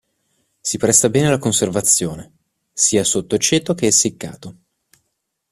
Si presta bene alla conservazione, sia sotto aceto che essiccato.